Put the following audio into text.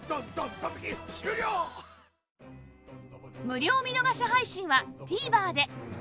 無料見逃し配信は ＴＶｅｒ で